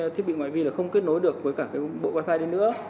thiết bị ngoại vi là không kết nối được với cả cái bộ wifi này nữa